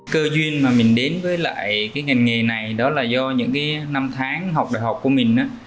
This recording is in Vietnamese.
cơ duyên mà mình đến với lại cái ngành nghề này đó là do những cái năm tháng học đại học của mình á